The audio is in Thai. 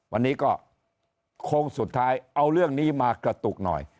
วันนี้ก็โค้งสุดท้ายเอาเรื่องนี้มากระตุกหน่อย